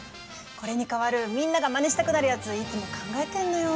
これに代わるみんながマネしたくなるやついつも考えてんのよ。